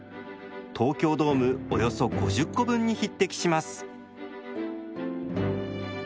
東京ドームおよそ５０個分に匹敵します。